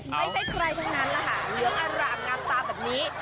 ไม่ใช่ใครทั้งนั้นแหละค่ะเหลืองอร่ามงามตาแบบนี้